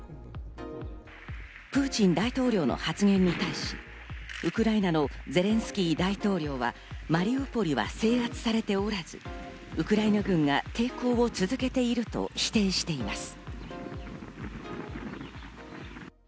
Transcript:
プーチン大統領の発言に対し、ウクライナのゼレンスキー大統領はマリウポリは制圧されておらず、ウクライナ軍が抵抗を続けていると否定しています。